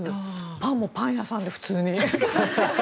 パンもパン屋さんで普通に。